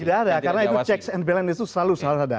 tidak ada karena itu checks and balance itu selalu selalu ada